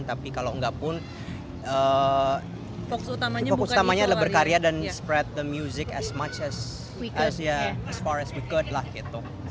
tapi kalau enggak pun fokus utamanya adalah berkarya dan spread the music as much as we could lah gitu